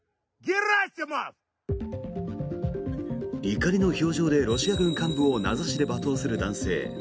怒りの表情でロシア軍幹部を名指しで罵倒する男性。